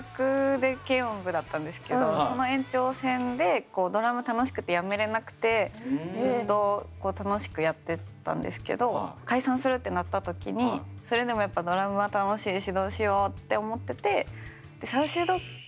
私結構その延長線でドラム楽しくてやめれなくてずっと楽しくやってたんですけど解散するってなった時にそれでもやっぱドラムは楽しいしどうしようって思っててと思って。